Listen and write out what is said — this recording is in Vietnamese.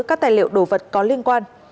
các tài liệu đồ vật có liên quan